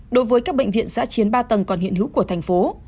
đối với các bệnh viện giã chiến ba tầng còn hiện hữu của thành phố